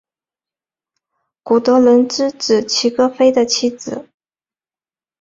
古德伦之子齐格菲的妻子。